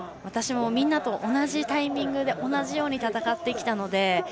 私もみんなと同じタイミングで同じように戦ってきたので。